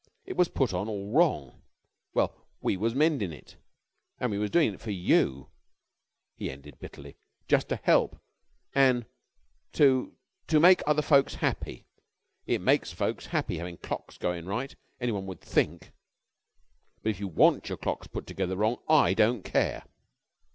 It was put on all wrong. Well, we was mendin' it. An' we was doin' it for you," he ended, bitterly, "jus' to help an' to to make other folks happy. It makes folks happy havin' clocks goin' right, anyone would think. But if you want your clocks put together wrong, I don't care."